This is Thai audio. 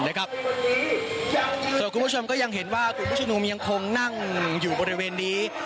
ส่วนคุณผู้ชมก็ยังเห็นว่ากลุ่มผู้ชุมนุมยังคงนั่งอยู่บริเวณนี้